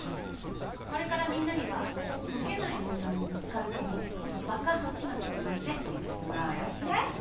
これからみんなには解けない問題にぶつかる度にこのバカはちまきを巻いて勉強してもらうわよえっ！？